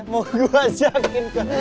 mau gua ajakin ke kau ah